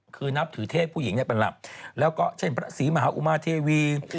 คือนับถือเทพผู้หญิงเป็นหลักแล้วก็เช่นพระศรีมหาอุมาเทวี